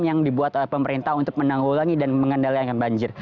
yang dibuat oleh pemerintah untuk menanggulangi dan mengendalikan banjir